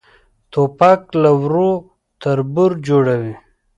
توپک له ورور تربور جوړوي.